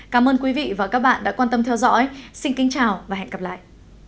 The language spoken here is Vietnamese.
cảm ơn quý vị và các bạn đã quan tâm theo dõi xin kính chào và hẹn gặp lại